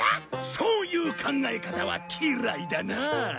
そういう考え方は嫌いだな。